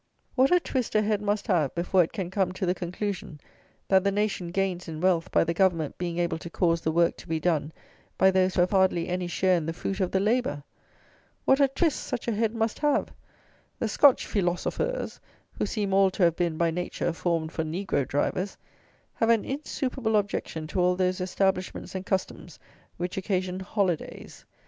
What a twist a head must have before it can come to the conclusion that the nation gains in wealth by the government being able to cause the work to be done by those who have hardly any share in the fruit of the labour! What a twist such a head must have! The Scotch feelosofers, who seem all to have been, by nature, formed for negro drivers, have an insuperable objection to all those establishments and customs which occasion holidays.